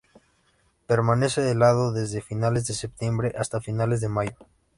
Permanece helado desde finales de septiembre hasta finales de mayo.